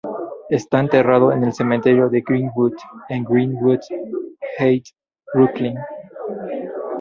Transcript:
Está enterrado en el Cementerio de Green-Wood en Greenwood Heights, Brooklyn.